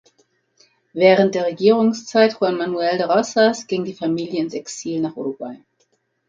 Während der Regierungszeit Juan Manuel de Rosas ging die Familie ins Exil nach Uruguay.